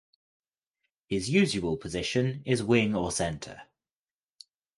His usual position is wing or Centre.